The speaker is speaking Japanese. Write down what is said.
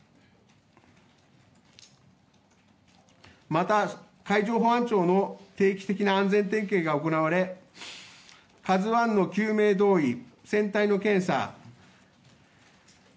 また、海上保安庁の定期的な安全点検が行われ「ＫＡＺＵ１」の救命胴衣、船体の検査。